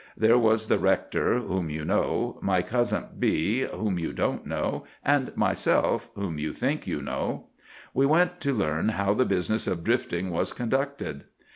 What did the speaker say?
There was the rector (whom you know), my cousin B—— (whom you don't know), and myself (whom you think you know). We went to learn how the business of drifting was conducted.